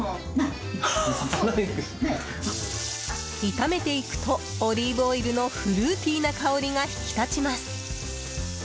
炒めていくとオリーブオイルのフルーティーな香りが引き立ちます。